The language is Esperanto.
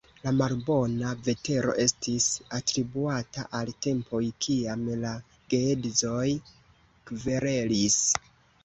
La malbona vetero estis atribuata al tempoj kiam la geedzoj kverelis.